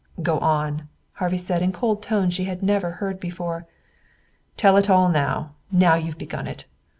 "Go on," Harvey said in cold tones she had never heard before. "Tell it all, now you've begun it.